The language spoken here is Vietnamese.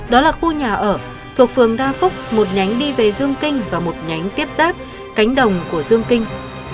đó là khu nhà ở thuộc phường đa phúc một nhánh đi về dương kinh và một nhánh tiếp giáp cánh đồng của dương kinh